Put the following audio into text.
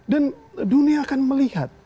dan dunia akan melihat